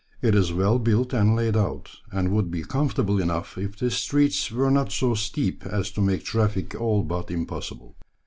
It is well built and laid out, and would be comfortable enough if the streets were not so steep as to make traffic all but impossible.